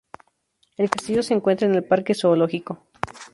El castillo se encuentra en el parque zoológico.